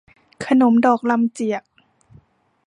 ขนมดอกลำเจียก